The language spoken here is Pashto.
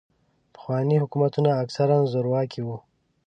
پخواني حکومتونه اکثراً زورواکي وو.